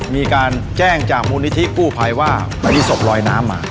มีการแจ้งจากมูลนิธิกู้ภัยว่าไปที่ศพลอยน้ำมา